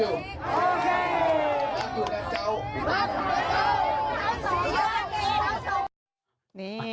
ไอเลิฟอยู่